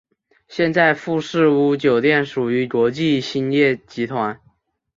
现在富士屋酒店属于国际兴业集团。